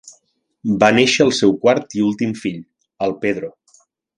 Va néixer el seu quart i últim fill, el Pedro.